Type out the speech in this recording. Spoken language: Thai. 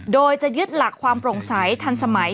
โดยจะยึดหลักความโปร่งใสทันสมัย